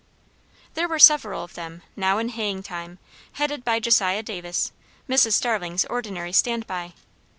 There were several of them, now in haying time, headed by Josiah Davis, Mrs. Starling's ordinary stand by.